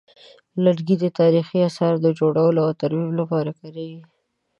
لرګي د تاریخي اثارو د جوړولو او ترمیم لپاره کارېږي.